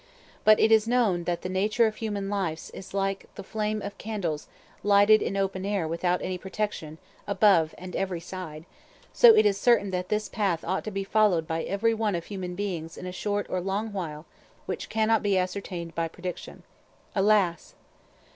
But it is known that the nature of human lives is like the flames of candles lighted in open air without any protection above & every side, so it is certain that this path ought to be followed by every one of human beings in a short or long while which cannot be ascertained by prediction, Alas!